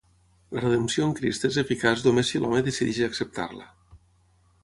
La redempció en Crist és eficaç només si l'home decideix acceptar-la.